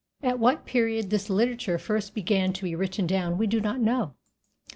At what period this literature first began to be written down we do not know.